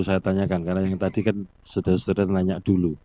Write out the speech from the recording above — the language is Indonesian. saya tanyakan karena yang tadi kan saudara saudara nanya dulu